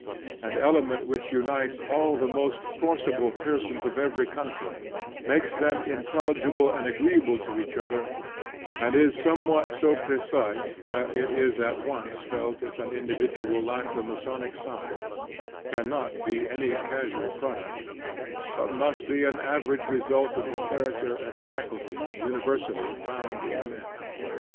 An element which unites all the most forcible persons of every country; makes them intelligible and agreeable to each other, and is somewhat so precise that it is at once felt if an individual lack the masonic sign, cannot be any casual product, but must be an average result of the character and faculties universally found in men.